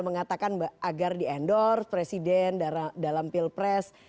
mengatakan agar di endorse presiden dalam pilpres